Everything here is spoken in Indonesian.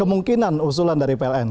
kemungkinan usulan dari pln